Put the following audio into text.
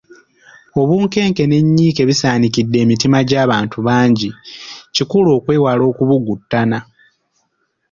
Obunkenke n’ennyiike bisaanikidde emitima gy’abantu bangi, kikulu okwewala okubugutana.